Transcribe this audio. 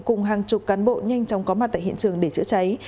cùng hàng chục cán bộ nhanh chóng có mặt tại hiện trường để chữa cháy